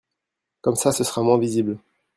Comme ça ce sera moins visible.